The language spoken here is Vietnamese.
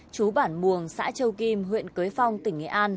chú bản muồng xã châu kim huyện cới phong tỉnh nghệ an